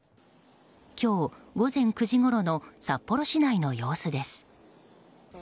今日午前９時ごろの札幌市内の様子です。